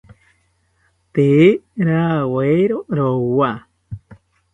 Tee rawiero rowa